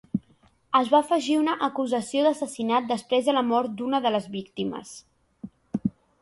Es va afegir una acusació d'assassinat després de la mort d'una de les víctimes.